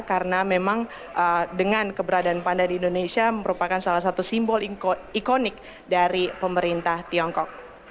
karena memang dengan keberadaan panda di indonesia merupakan salah satu simbol ikonik dari pemerintah tiongkok